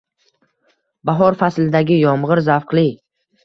Bahor faslidagi yomg'ir zavqli